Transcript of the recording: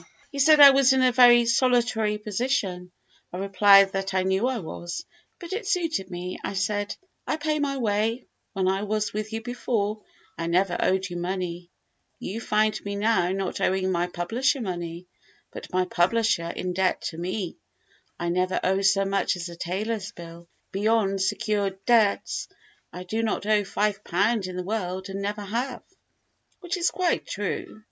He said I was in a very solitary position. I replied that I knew I was, but it suited me. I said: "I pay my way; when I was with you before, I never owed you money; you find me now not owing my publisher money, but my publisher in debt to me; I never owe so much as a tailor's bill; beyond secured debts, I do not owe £5 in the world and never have" (which is quite true).